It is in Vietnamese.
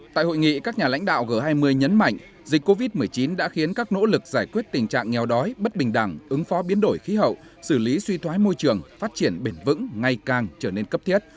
tại hội nghị các nhà lãnh đạo g hai mươi nhấn mạnh dịch covid một mươi chín đã khiến các nỗ lực giải quyết tình trạng nghèo đói bất bình đẳng ứng phó biến đổi khí hậu xử lý suy thoái môi trường phát triển bền vững ngay càng trở nên cấp thiết